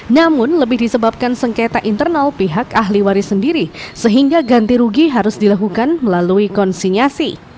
namun lebih disebabkan sengketa internal pihak ahli waris sendiri sehingga ganti rugi harus dilakukan melalui konsinyasi